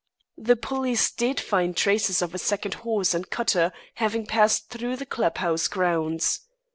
The police did find traces of a second horse and cutter having passed through the club house grounds.